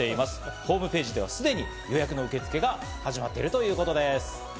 ホームページでは、すでに予約の受け付けが始まっているということです。